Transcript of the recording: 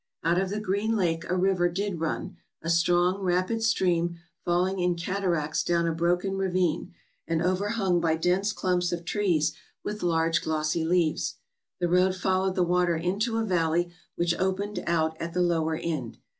Out of the green lake a river did run — a strong, rapid stream, falling in cataracts down a broken ravine, and overhung by dense clumps of trees with large glossy leaves. The road fol lowed the water into a valley, which opened out at the lower end.